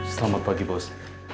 selamat pagi bos